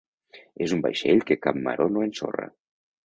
És un vaixell que cap maror no ensorra.